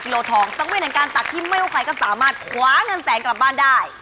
คุณตักได้เท่าไหร่